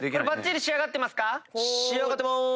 ばっちり仕上がってますか？